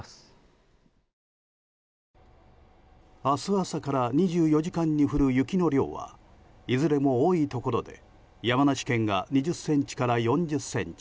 明日朝から２４時間に降る雪の量はいずれも多いところで山梨県が２０Ｃｍから４０ｃｍ